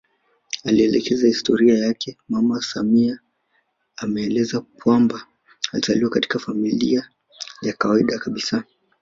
Akielezea historia yake mama samia ameelezea kwamba alizaliwa katika familia ya kawaida kabisa